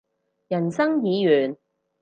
人生已完